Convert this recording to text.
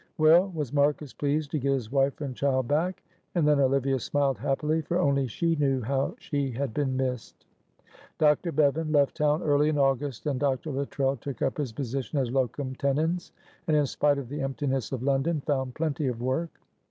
Well, was Marcus pleased to get his wife and child back?" And then Olivia smiled happily, for only she knew how she had been missed. Dr. Bevan left town early in August and Dr. Luttrell took up his position as locum tenens, and in spite of the emptiness of London found plenty of work.